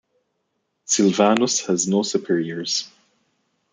Silvanus has no superiors.